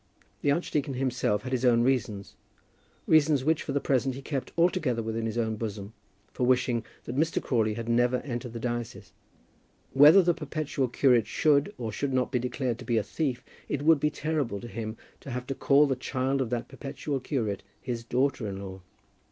The archdeacon himself had his own reasons, reasons which for the present he kept altogether within his own bosom, for wishing that Mr. Crawley had never entered the diocese. Whether the perpetual curate should or should not be declared to be a thief, it would be terrible to him to have to call the child of that perpetual curate his daughter in law.